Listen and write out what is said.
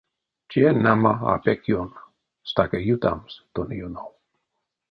Те, нама, а пек ён — стака ютамс тона ёнов.